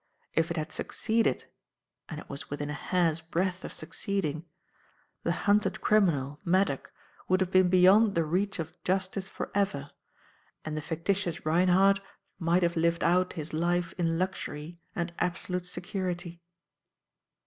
If it had succeeded and it was within a hair's breath of succeeding the hunted criminal, Maddock, would have been beyond the reach of Justice for ever, and the fictitious Reinhardt might have lived out his life in luxury and absolute security."